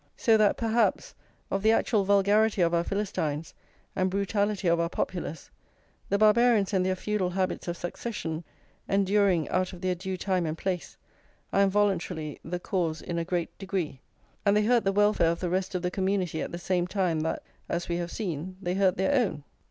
So that, perhaps, of the actual vulgarity of our Philistines and brutality of our Populace, the Barbarians and their feudal habits of succession, enduring out of their due time and place, are involuntarily the cause in a great degree; and they hurt the welfare of the rest of the community at the same time that, as we have seen, they hurt their own.